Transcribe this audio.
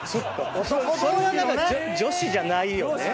それは女子じゃないよね。